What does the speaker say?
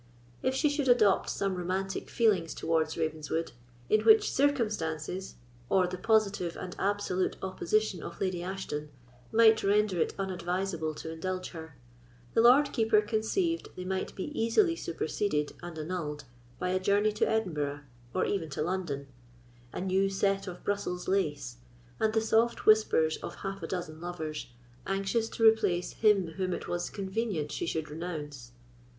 If she should adopt some romantic feelings towards Ravenswood, in which circumstances, or the positive and absolute opposition of Lady Ashton, might render it unadvisable to indulge her, the Lord Keeper conceived they might be easily superseded and annulled by a journey to Edinburgh, or even to London, a new set of Brussels lace, and the soft whispers of half a dozen lovers, anxious to replace him whom it was convenient she should renounce.